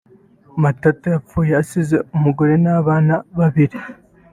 Matata yapfuye asize umugore n’abana babiri